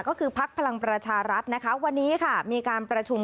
ก็คือภักดิ์พลังประชารัฐวันนี้มีการประชุม